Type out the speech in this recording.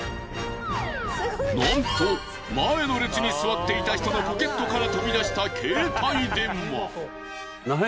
なんと前の列に座っていた人のポケットから飛び出した携帯電話。